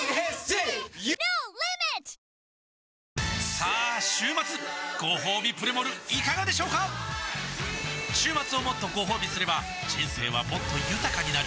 さあ週末ごほうびプレモルいかがでしょうか週末をもっとごほうびすれば人生はもっと豊かになる！